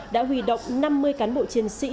đã huy động năm mươi cán bộ chiến sĩ